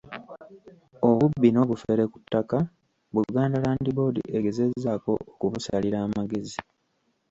Obubbi n'obufere ku ttaka Buganda Land Board egezezzaako okubusalira amagezi.